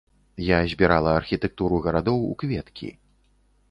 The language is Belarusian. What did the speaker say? Я збірала архітэктуру гарадоў у кветкі.